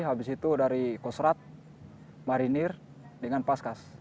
habis itu dari kosrat marinir dengan paskas